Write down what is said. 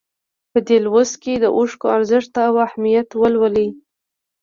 په دې لوست کې د اوښکو ارزښت او اهمیت ولولئ.